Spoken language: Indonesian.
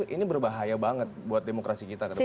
ini berbahaya banget buat demokrasi kita ke depan